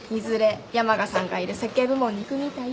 山賀さんがいる設計部門に行くみたい。